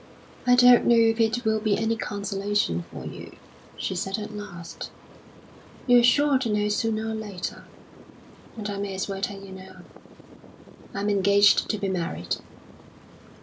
"I don't know if it will be any consolation for you," she said at last; "you're sure to know sooner or later, and I may as well tell you now. I'm engaged to be married."